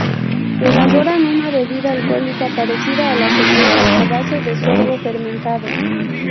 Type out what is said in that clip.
Elaboran una bebida alcohólica parecida a la cerveza a base de sorgo fermentado.